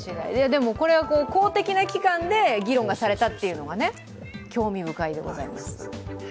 でも、これは公的な機関がで議論がされたというのが興味深いですね。